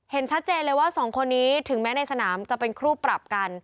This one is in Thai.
เห็นชัดเจนเลยว่าสองคนนี้ถึงแม้ในสนามจะเป็นคู่ปรับกัน